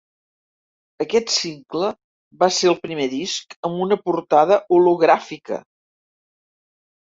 Aquest single va ser el primer disc amb una portada hologràfica.